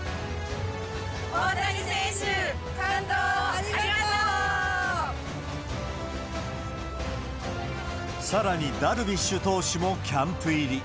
大谷選手、さらに、ダルビッシュ投手もキャンプ入り。